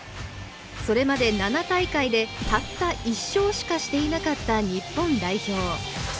それまで７大会でたった１勝しかしていなかった日本代表。